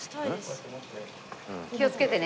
気をつけてね。